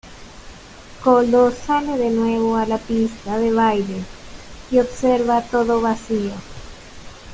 Koldo sale de nuevo a la pista de baile y observa todo vacío.